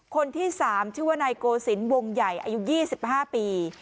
คนที่๓ชื่อว่านายโกศิลปวงใหญ่อายุ๒๕ปี